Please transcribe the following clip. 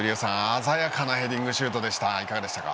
鮮やかなヘディングシュートいかがでしたか。